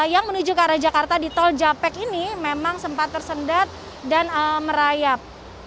yang menuju ke arah jakarta di tol japek ini memang sempat tersendat dan merayap